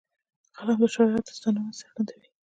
قلم د شجاعت داستانونه څرګندوي